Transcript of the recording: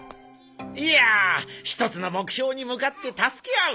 いや一つの目標に向かって助け合う。